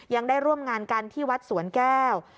ยังได้ร่วมงานกันที่วัดสวนแก้ว